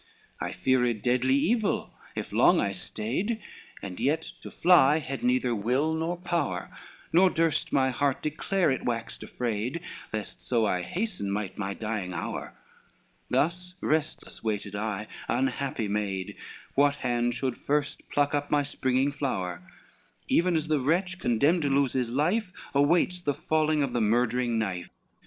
LI "I feared deadly evil if long I stayed, And yet to fly had neither will nor power, Nor durst my heart declare it waxed afraid, Lest so I hasten might my dying hour: Thus restless waited I, unhappy maid, What hand should first pluck up my springing flower, Even as the wretch condemned to lose his life Awaits the falling of the murdering knife.